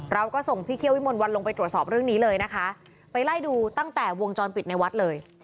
เราก็ส่งพี่เคี่ยววิมลวันลงไปตรวจสอบเรื่องนี้เลยนะคะไปไล่ดูตั้งแต่วงจรปิดในวัดเลย